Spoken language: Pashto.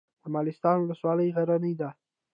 د مالستان ولسوالۍ غرنۍ ده